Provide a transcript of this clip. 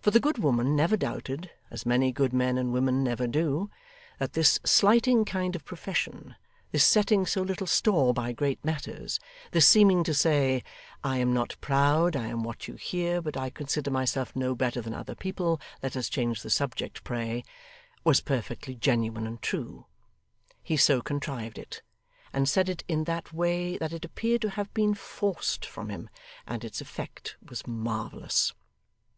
For the good woman never doubted (as many good men and women never do), that this slighting kind of profession, this setting so little store by great matters, this seeming to say, 'I am not proud, I am what you hear, but I consider myself no better than other people; let us change the subject, pray' was perfectly genuine and true. He so contrived it, and said it in that way that it appeared to have been forced from him, and its effect was marvellous.